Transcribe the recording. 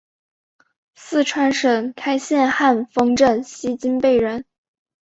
四川省开县汉丰镇西津坝人。